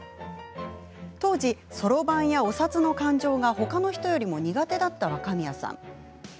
当時、そろばんやお札の勘定がほかの人よりも苦手だった若宮さん。